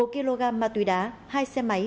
một kg ma túy đá hai xe máy